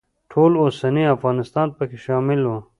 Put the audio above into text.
ټول اوسنی افغانستان پکې شامل و.